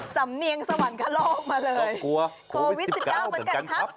สำเนียงสวรรค์โครโลกมาเลยก็กลัวโครวิทย์สิบเก้าเหมือนกันครับ